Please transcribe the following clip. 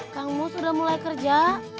kamu sudah mulai kerja